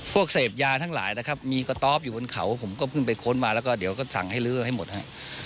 เสพยาทั้งหลายนะครับมีกระต๊อบอยู่บนเขาผมก็เพิ่งไปค้นมาแล้วก็เดี๋ยวก็สั่งให้ลื้อให้หมดฮะ